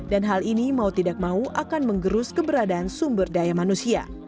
dan hal ini mau tidak mau akan mengerus keberadaan sumber daya manusia